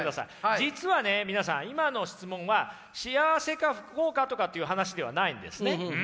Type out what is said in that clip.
実はね皆さん今の質問は幸せか不幸かとかっていう話ではないんですね。